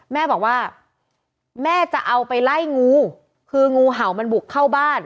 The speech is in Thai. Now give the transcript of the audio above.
แม่บอกว่าแม่จะเอาไปไล่งูคืองูเห่ามันบุกเข้าบ้าน